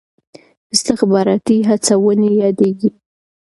استخباراتي هڅونې یادېږي.